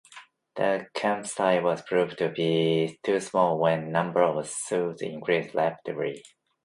The campsite was proved to be too small when number of Scouts increased rapidly.